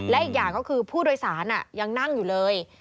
และอีกอย่างก็คือผู้โดยสารยังนั่งอยู่เลย